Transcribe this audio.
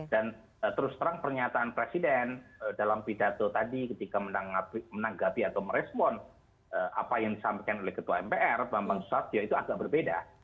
dan terus terang pernyataan presiden dalam pidato tadi ketika menanggapi atau merespon apa yang disampaikan oleh ketua mpr bambang swatya itu agak berbeda